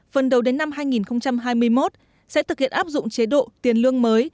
phần đầu đến năm hai nghìn hai mươi một sẽ thực hiện áp dụng chế độ tiền lương mới